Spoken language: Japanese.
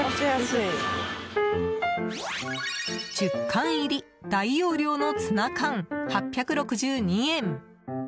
１０缶入り、大容量のツナ缶８６２円。